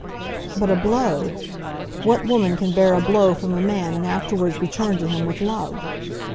But a blow! What woman can bear a blow from a man, and afterwards return to him with love?